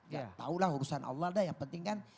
ya tahulah urusan allah dah yang penting kan